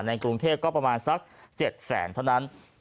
กรุงเทพก็ประมาณสัก๗แสนเท่านั้น